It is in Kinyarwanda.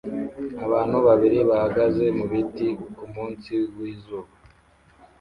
Abantu babiri bahagaze mubiti kumunsi wizuba